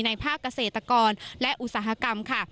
ภาคเกษตรกรและอุตสาหกรรมค่ะ